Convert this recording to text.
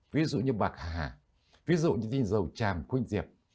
ví dụ như bạc hà ví dụ như tinh dầu chàm khuynh diệt